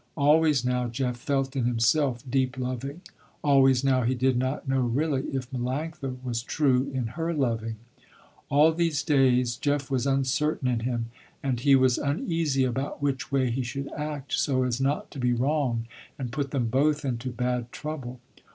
Always now Jeff felt in himself, deep loving. Always now he did not know really, if Melanctha was true in her loving. All these days Jeff was uncertain in him, and he was uneasy about which way he should act so as not to be wrong and put them both into bad trouble.